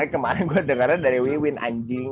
nih kemarin gue dengernya dari wiwin anjing